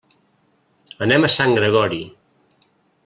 Anem a Sant Gregori.